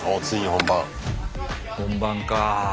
本番かあ。